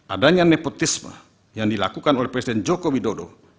adanya nepotisme yang dilakukan oleh presiden joko widodo